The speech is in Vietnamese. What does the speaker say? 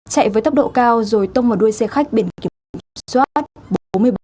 chạy với tốc độ cao rồi tông vào đuôi xe khách biển kiểm soát bốn mươi bảy b một nghìn năm trăm hai mươi tám